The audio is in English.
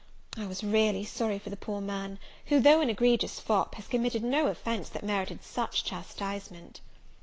I was really sorry for the poor man; who, though an egregious fop, had committed no offence that merited such chastisement.